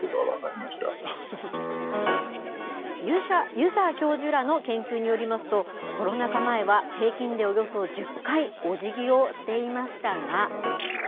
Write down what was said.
遊佐教授らの研究によりますとコロナ禍前は平均でおよそ１０回おじぎをしていましたが。